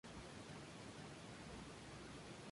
En ocasiones es referido al coste de llevar consigo dinero.